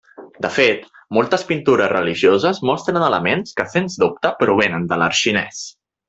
De fet, moltes pintures religioses, mostren elements que sens dubte provenen de l'art xinès.